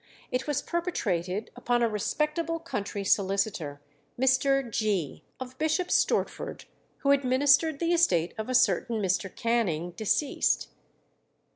It was perpetrated upon a respectable country solicitor, Mr. Gee, of Bishop Stortford, who administered the estate of a certain Mr. Canning, deceased.